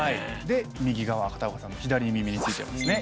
で右側片岡さんの左耳についてますね。